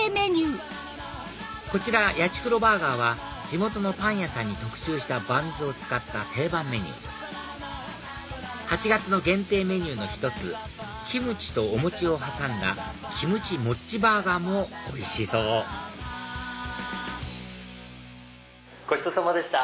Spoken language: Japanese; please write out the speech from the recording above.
こちらヤチクロバーガーは地元のパン屋さんに特注したバンズを使った定番メニュー８月の限定メニューの１つキムチとお餅を挟んだキムチモッチバーガーもおいしそうごちそうさまでした。